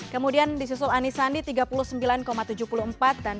kemudian disusul anisandi tiga puluh sembilan tujuh puluh empat